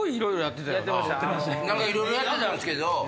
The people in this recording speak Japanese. いろいろやってたんすけど。